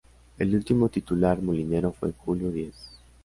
El último titular molinero fue Julio Diez.